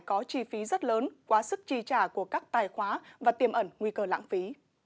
có chi phí rất lớn quá sức chi trả của các tài khoá và tiềm ẩn nguy cơ lãng phí